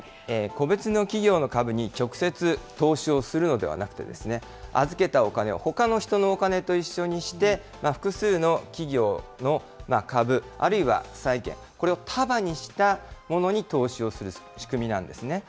個別の企業の株に直接投資をするのではなくて、預けたお金をほかの人のお金と一緒にして複数の企業の株、あるいは債券、これを束にしたものに投資をする仕組みなんですね。